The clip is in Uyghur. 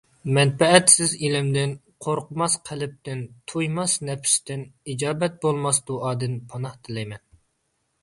مەنپەئەتسىز ئىلىمدىن، قورقماس قەلبتىن، تويماس نەپستىن، ئىجابەت بولماس دۇئادىن پاناھ تىلەيمەن.